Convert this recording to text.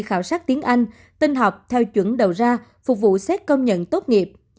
khảo sát tiếng anh tin học theo chuẩn đầu ra phục vụ xét công nhận tốt nghiệp